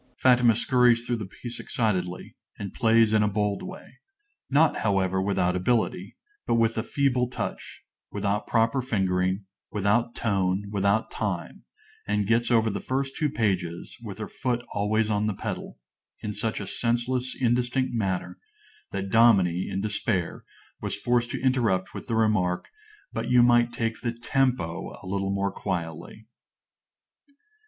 (_Fatima scurries through the piece excitedly, and plays in a bold way, not, however, without ability, but with a feeble touch, without proper fingering, without tone, without time; and gets over the first two pages, with her foot always on the pedal, in such a senseless, indistinct manner that Dominie, in despair, was forced to interrupt with the remark, "But you might take the tempo a little more quietly."